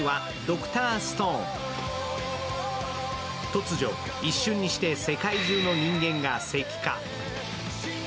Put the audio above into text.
突如、一瞬にして世界中の人間が石化。